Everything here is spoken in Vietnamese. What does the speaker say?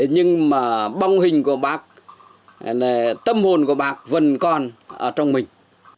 nhưng mà bóng hình của bác tâm hồn của bác vẫn còn trong mình